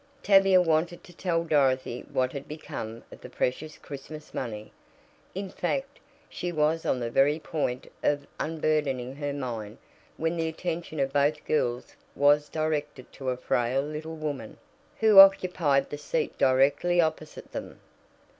Tavia wanted to tell Dorothy what had become of the precious Christmas money. In fact, she was on the very point of unburdening her mind when the attention of both girls was directed to a frail little woman, who occupied the seat directly opposite them.